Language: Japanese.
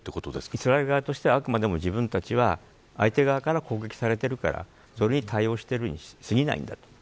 イスラエル側としてはあくまでも自分たちは相手から攻撃されているからそれに対応しているに過ぎないんだと。